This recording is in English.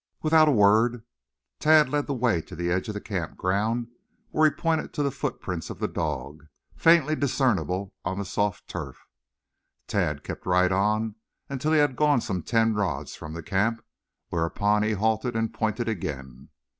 Without a word Tad led the way to the edge of the camp ground, where he pointed to the footprints of the dog, faintly discernible on the soft turf. Tad kept right on until he had gone some ten rods from the camp, whereupon he halted and pointed again.